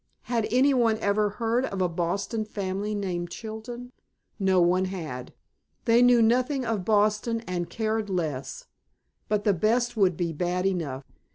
Had any one ever heard of a Boston family named Chilton? No one had. They knew nothing of Boston and cared less. But the best would be bad enough.